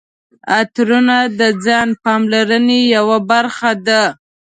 عطرونه د ځان پاملرنې یوه برخه ده.